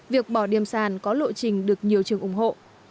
việc bỏ điểm sàn có lộ trình được nhiều trường ủng hộ